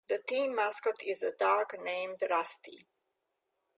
The team mascot is a dog named Rusty.